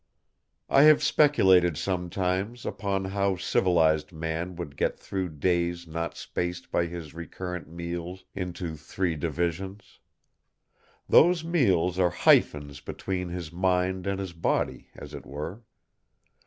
I have speculated sometimes upon how civilized man would get through days not spaced by his recurrent meals into three divisions. Those meals are hyphens between his mind and his body, as it were.